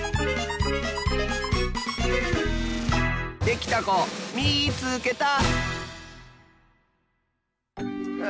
できたこみいつけた！